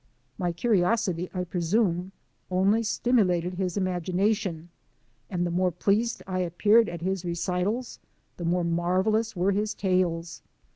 My curiosity, I presume, only stimulated his imagination, and the more pleased I appeared at his recitals the more marvelous were his tales.